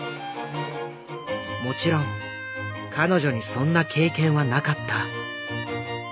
もちろん彼女にそんな経験はなかった。